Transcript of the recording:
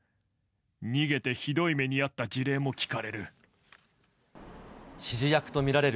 逃げてひどい目に遭った事例も聞かれる。